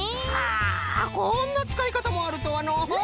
あこんなつかいかたもあるとはのう。